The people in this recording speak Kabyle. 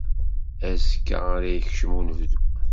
Azekka ara yekcem unebdu